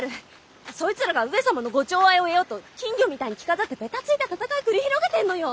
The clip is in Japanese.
そいつらが上様のご寵愛を得ようと金魚みたいに着飾ってベタついた戦い繰り広げてんのよ！